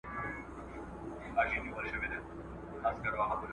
زه پرون ليکلي پاڼي ترتيب کړل!!